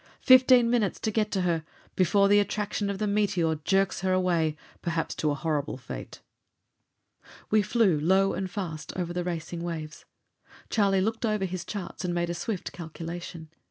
Fifteen minutes to get to her before the attraction of the meteor jerks her away, perhaps to a horrible fate." We flew low and fast over the racing waves. Charlie looked over his charts and made a swift calculation.